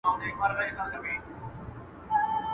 د لاس په پنځو گوتو کي لا فرق سته.